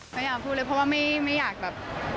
พยายามพูดเลยเพราะว่าไม่อยากแบบ